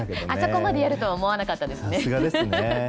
あそこまでやるとは思わなかったですね。